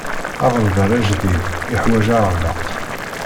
Aɣerbal ajdid iḥwaǧ aɛelleq.